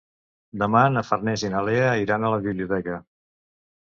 Demà na Farners i na Lea iran a la biblioteca.